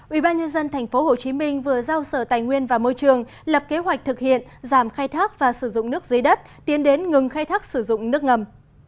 ubnd tp hcm vừa giao sở tài nguyên và môi trường lập kế hoạch thực hiện giảm khai thác và sử dụng nước dưới đất tiến đến ngừng khai thác sử dụng nước ngầm